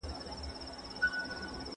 دښمن که دي د لوخو پړی هم وي، مار ئې بوله.